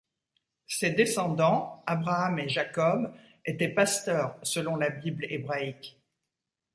Ses descendants, Abraham et Jacob, étaient pasteurs selon la Bible hébraïque.